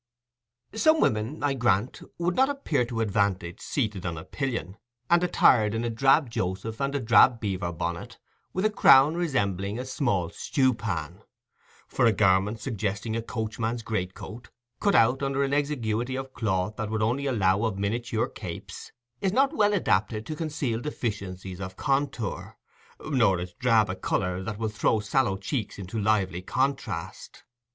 Some women, I grant, would not appear to advantage seated on a pillion, and attired in a drab joseph and a drab beaver bonnet, with a crown resembling a small stew pan; for a garment suggesting a coachman's greatcoat, cut out under an exiguity of cloth that would only allow of miniature capes, is not well adapted to conceal deficiencies of contour, nor is drab a colour that will throw sallow cheeks into lively contrast.